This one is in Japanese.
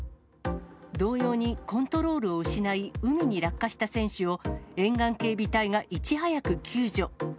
同様にコントロールを失い、海に落下した選手を沿岸警備隊がいち早く救助。